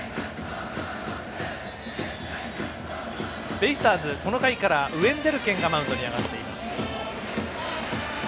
ベイスターズ、この回からウェンデルケンがマウンドに上がっています。